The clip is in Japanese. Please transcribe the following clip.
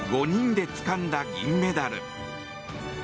５人でつかんだ銀メダル。